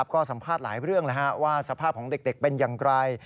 ก็สัมภาษณ์หลายเรื่องว่าสภาพของเด็กเป็นอย่างไร